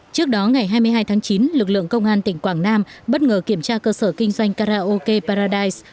trước đó ngày hai mươi hai tháng chín lực lượng công an tỉnh quảng nam bất ngờ kiểm tra cơ sở kinh doanh karaoke paradise